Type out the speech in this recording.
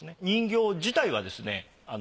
人形自体はですね